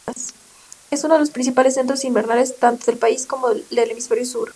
Es uno de los principales centros invernales tanto del país como del hemisferio sur.